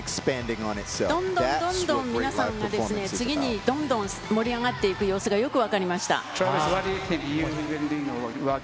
どんどんどんどん皆さんがですね、次にどんどん盛り上がっていく様子が、よく分かりました。